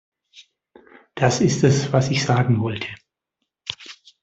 Das ist es, was ich sagen wollte.